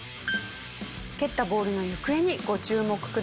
蹴ったボールの行方にご注目ください。